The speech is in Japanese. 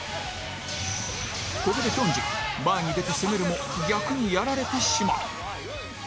ここでヒョンジン前に出て攻めるも逆にやられてしまう